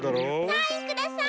サインください！